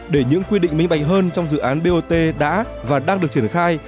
để những quy định minh bạch hơn trong dự án bot đã và đang được triển khai